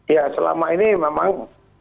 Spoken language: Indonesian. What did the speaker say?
ya selama ini memang